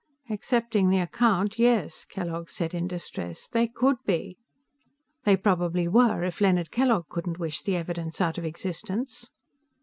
"Accepting the account, yes," Kellogg said, in distress. "They could be." They probably were, if Leonard Kellogg couldn't wish the evidence out of existence.